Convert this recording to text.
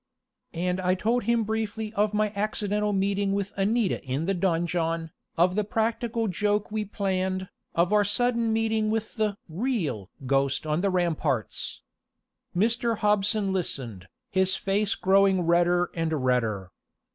And I told him briefly of my accidental meeting with Anita in the donjon, of the practical joke we planned, of our sudden meeting with the real ghost on the ramparts. Mr. Hobson listened, his face growing redder and redder.